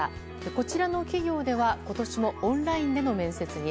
こちらの企業では今年もオンラインでの面接に。